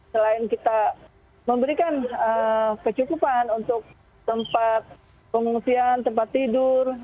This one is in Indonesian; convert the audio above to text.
selain kita memberikan kecukupan untuk tempat pengungsian tempat tidur